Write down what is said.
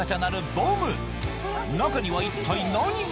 ボム中には一体何が？